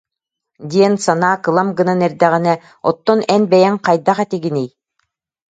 » диэн санаа кылам гынан эрдэҕинэ «оттон эн бэйэҥ хайдах этигиний